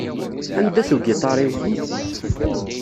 Anda-t ugiṭar-iw?